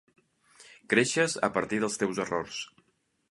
Creixes a partir dels teus errors.